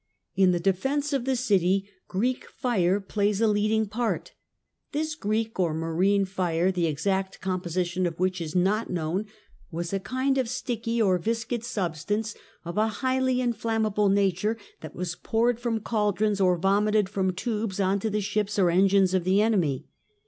In the defence of the. city "Greek fire" plays a, leading part. This " Greek " or " Marine fire," the exact composition of which is not known, was a kind of sticky or viscid substance of a highly inflammable nature that was poured from cauldrons or vomited from tubes on to the ships or engines of the enemy.